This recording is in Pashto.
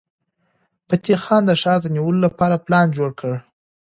فتح خان د ښار د نیولو لپاره پلان جوړ کړ.